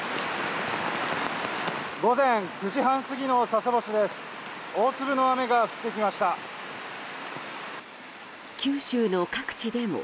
午前９時半過ぎの佐世保市です。